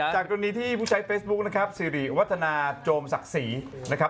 จากตรงนี้ที่ผู้ใจเฟซบุ๊คนะครับซีรีส์วัฒนาโจมศักดิ์ศรีนะครับ